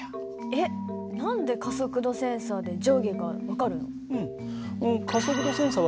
えっ何で加速度センサーで上下が分かるの？